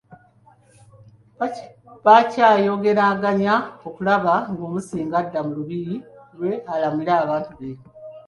Bakyayogeraganya okulaba ng'Omusinga adda mu lubiri lwe alamule abantu be.